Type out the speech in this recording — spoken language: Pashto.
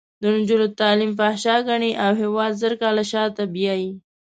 د نجونو تعلیم فحشا ګڼي او هېواد زر کاله شاته بیایي.